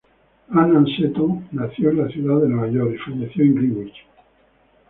Ann Seton nació en la ciudad de Nueva York y falleció en Greenwich.